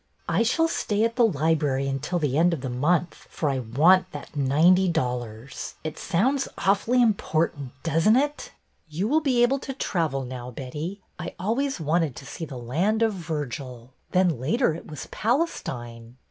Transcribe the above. ''" I shall stay at the library until the end of the month, for I want that ninety dollars. It sounds awfully important, doesn't it?" " You will be able to travel now, Betty. I always wanted to see the land of Virgil. Then later it was Palestine.